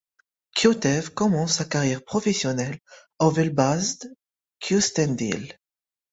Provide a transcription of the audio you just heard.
Kotev commence sa carrière professionnelle au Velbazhd Kyustendil.